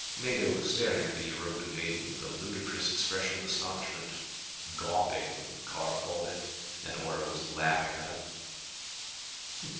Mado was staring at the Europan maiden with a ludicrous expression of astonishment gawping, Carr called it. And Ora was laughing at him.